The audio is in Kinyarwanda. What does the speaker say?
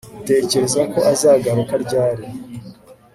Utekereza ko azagaruka ryari